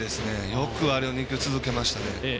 よくあれを２球、続けましたね。